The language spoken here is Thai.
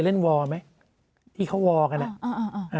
เคยเล่นวอร์ไหมที่เขาวอร์กันน่ะ